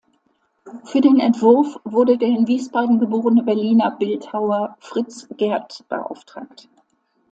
Für den Entwurf wurde der in Wiesbaden geborene Berliner Bildhauer Fritz Gerth beauftragt.